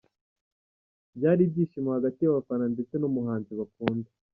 Byari ibyishimo hagati y'abafana ndetse n'umuhanzi bakunda.